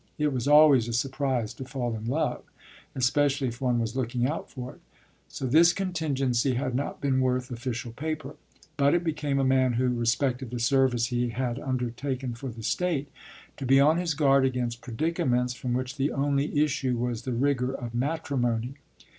It was always a surprise to fall in love, especially if one was looking out for it; so this contingency had not been worth official paper. But it became a man who respected the service he had undertaken for the State to be on his guard against predicaments from which the only issue was the rigour of matrimony.